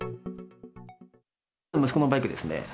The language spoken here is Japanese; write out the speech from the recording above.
息子のバイクですね。